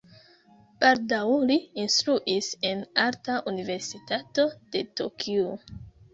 Baldaŭ li instruis en Arta Universitato de Tokio.